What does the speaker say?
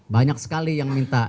banyak sekali yang minta